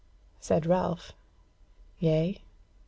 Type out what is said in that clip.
Said Ralph: "Yea?